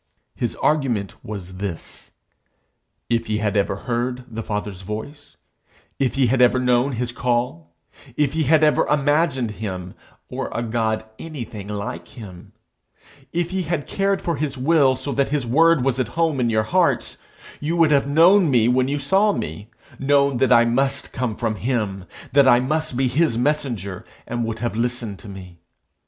His argument was this: 'If ye had ever heard the Father's voice; if ye had ever known his call; if you had ever imagined him, or a God anything like him; if you had cared for his will so that his word was at home in your hearts, you would have known me when you saw me known that I must come from him, that I must be his messenger, and would have listened to me.